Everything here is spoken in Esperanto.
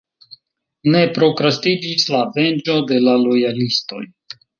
Ne prokrastiĝis la venĝo de la lojalistoj.